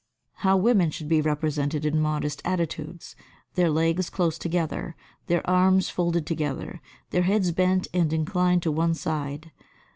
How women should be represented in modest attitudes, their legs close together, their arms folded together, their heads bent and inclined to one side.